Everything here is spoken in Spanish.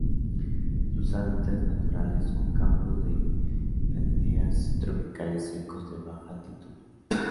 Sus hábitats naturales son: campos de gramíneas tropicales secos de baja altitud.